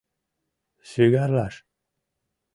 — Шӱгарлаш...